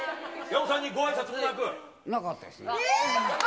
なかったです。